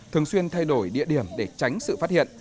thường xuyên thay đổi địa điểm để tránh sự phát hiện